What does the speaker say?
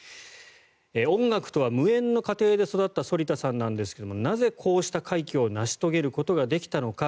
音楽とは無縁の家庭で育った反田さんなんですがなぜ、こうした快挙を成し遂げることができたのか。